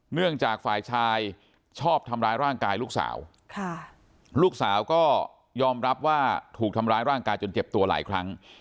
เนื่องจากฝ่ายชายชอบทำร้ายร่างกายลูกสาวลูกสาวก็ยอมรับว่าถูกทำร้ายร่างกายจนเจ็บตัวหลายครั้ง